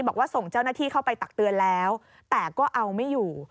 บอกว่าส่งเจ้าหน้าที่เข้าไปตักเตือนแล้วแต่ก็เอาไม่อยู่